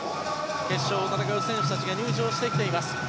決勝を戦う選手たちが入場してきています。